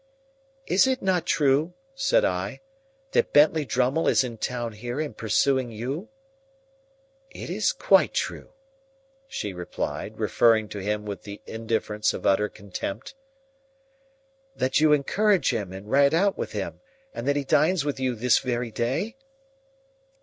"Is it not true," said I, "that Bentley Drummle is in town here, and pursuing you?" "It is quite true," she replied, referring to him with the indifference of utter contempt. "That you encourage him, and ride out with him, and that he dines with you this very day?"